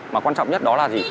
mà quan trọng nhất đó là gì